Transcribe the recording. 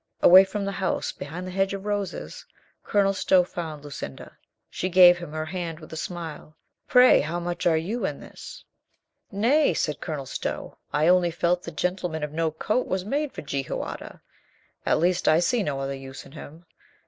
Away from the house, behind the hedge of roses, Colonel Stow found Lucinda. She gave him her hand with a smile. "Pray, how much are you in this?" CONCERNING THE ANGEL URIEL 85 • "Nay," said Colonel Stow, "I only felt the gentle man of no coat was made for Jehoiada. At least I see no other use in him.